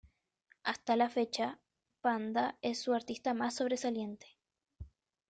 Hasta la fecha Panda es su artista más sobresaliente.